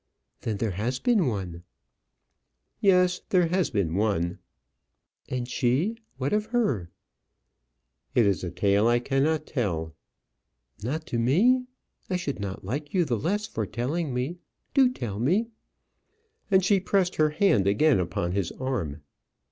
Then there has been one." "Yes; there has been one." "And she what of her?" "It is a tale I cannot tell." "Not to me? I should not like you the less for telling me. Do tell me." And she pressed her hand again upon his arm.